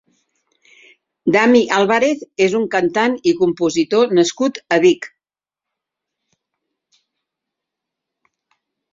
Dami Àlvarez és un cantant i compositor nascut a Vic.